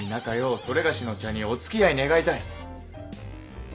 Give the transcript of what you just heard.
某の茶におつきあい願いたい。